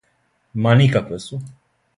Ма никакве су.